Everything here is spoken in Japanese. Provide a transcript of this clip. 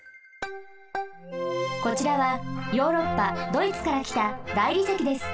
こちらはヨーロッパドイツからきた大理石です。